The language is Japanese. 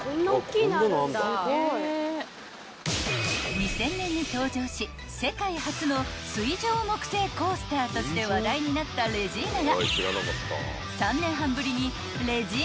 ［２０００年に登場し世界初の水上木製コースターとして話題になったレジーナが］